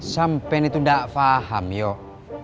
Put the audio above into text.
sampen itu tidak paham yuk